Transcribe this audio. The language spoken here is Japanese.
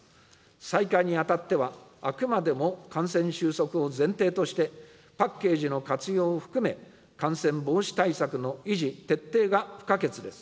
再開にあたっては、あくまでも感染収束を前提として、パッケージの活用を含め、感染防止対策の維持・徹底が不可欠です。